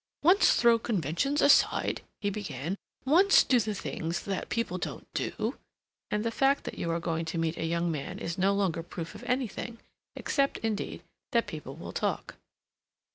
"Once throw conventions aside," he began, "once do the things that people don't do—" and the fact that you are going to meet a young man is no longer proof of anything, except, indeed, that people will talk.